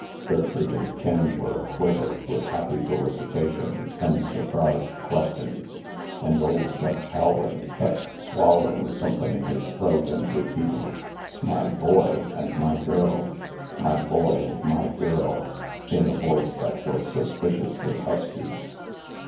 Gertrude and Ken were aquiver with happy felicitations and surprised questions. And old Judge Rowland kept swallowing something in his throat and repeating " My boy and my girl ; my boy and my girl," in a voice that was suspi ciously husky.